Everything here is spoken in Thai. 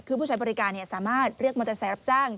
คือผู้ใช้บริการสามารถเรียกมอเตอร์ไซค์รับจ้าง